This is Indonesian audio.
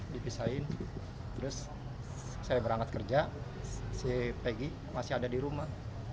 dipisahin terus saya berangkat kerja si pegi masih ada di rumah